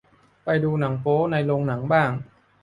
ไปดูหนังโป๊ในโรงหนังบ้าง